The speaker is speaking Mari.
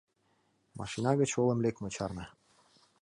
Машина гыч олым лекме чарна.